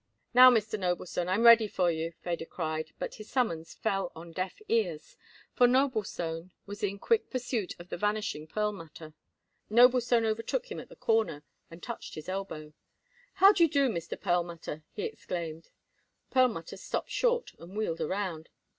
"Now, Mr. Noblestone, I am ready for you," Feder cried, but his summons fell on deaf ears, for Noblestone was in quick pursuit of the vanishing Perlmutter. Noblestone overtook him at the corner and touched his elbow. "How do you do, Mr. Perlmutter!" he exclaimed. Perlmutter stopped short and wheeled around.